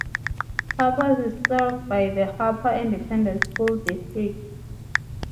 Harper is served by the Harper Independent School District.